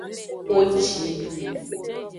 Xoci.